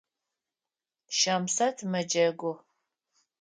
Щамсэт мэджэгу.